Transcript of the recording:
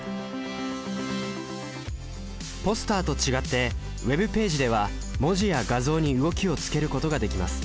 ポスターと違ってＷｅｂページでは文字や画像に動きをつけることができます。